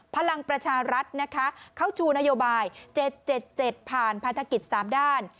พลังประชารัฐนะคะเข้าชูนโยบาย๗๗ผ่านภารกิจ๓ด้าน